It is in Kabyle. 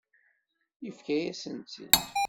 Yefka-yasen-tt-id.